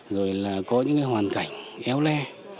rồi là có những hoàn cảnh éo le